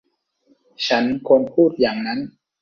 ฉันควรพูดอย่างนั้น !